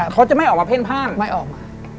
เขาจะไม่ออกมาเพ่นพ่านไม่ออกมา